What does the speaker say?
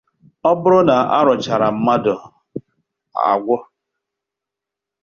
Ọ bụrụ na a rụchaara mmadụ agwụ